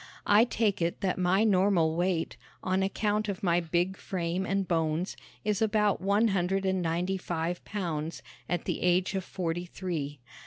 I take it that my normal weight, on account of my big frame and bones, is about one hundred and ninety five pounds, at the age of forty three.